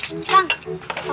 kenapa gini lah